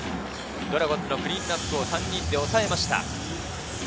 ドラゴンズのクリーンナップを３人で抑えました。